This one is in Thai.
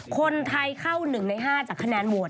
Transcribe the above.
คนไทยเข้า๑ใน๕จากคะแนนโหวต